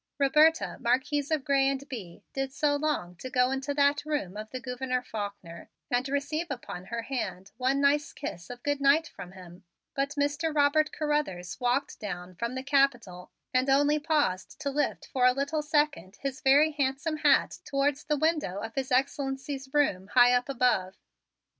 Roberta, Marquise of Grez and Bye, did so long to go into that room of the Gouverneur Faulkner and receive upon her hand one nice kiss of good night from him, but Mr. Robert Carruthers walked down from the Capitol and only paused to lift for a little second his very handsome hat towards the window of His Excellency's room high up above.